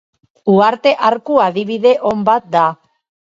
Uharte arku adibide on bat da.